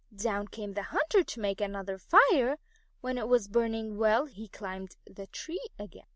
Down came the hunter to make another fire. When it was burning well he climbed the tree again.